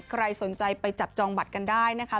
ใครสนใจไปจับจองบัตรกันได้นะคะ